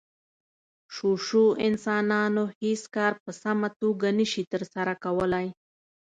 شو شو انسانان هېڅ کار په سمه توګه نشي ترسره کولی.